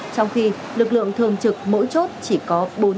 trong khi lực lượng thường trực mỗi chốt chỉ có bốn cám bộ chiến sĩ